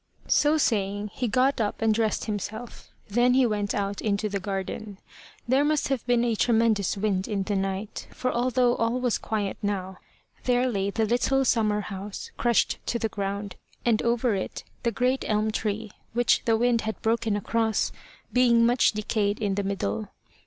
So saying, he got up and dressed himself. Then he went out into the garden. There must have been a tremendous wind in the night, for although all was quiet now, there lay the little summer house crushed to the ground, and over it the great elm tree, which the wind had broken across, being much decayed in the middle.